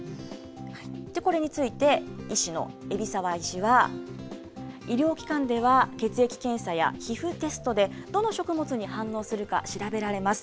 これについて、医師の海老澤医師は、医療機関では、血液検査や皮膚テストで、どの食物に反応するか調べられます。